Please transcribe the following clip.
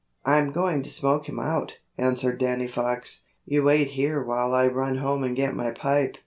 "I'm going to smoke him out," answered Danny Fox. "You wait here while I run home and get my pipe.